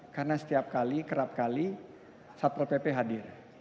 karena setiap kali kerap kali satpol pp hadir